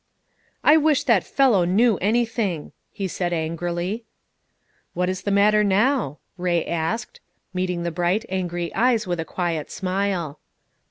"I wish that fellow knew anything," he said angrily. "What is the matter now?" Bay asked, meeting the bright, angry eyes with a quiet smile.